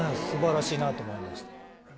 すばらしいなと思いました。